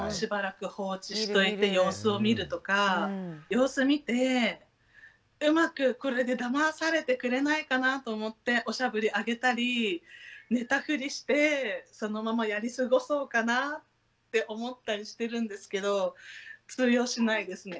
様子見てうまくこれでだまされてくれないかなと思っておしゃぶりあげたり寝たふりしてそのままやり過ごそうかなって思ったりしてるんですけど通用しないですね。